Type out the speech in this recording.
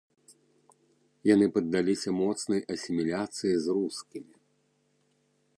Яны паддаліся моцнай асіміляцыі з рускімі.